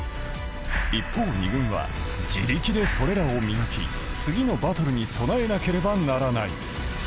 一方、２軍は自力でそれらを磨き、次のバトルに備えなければならない。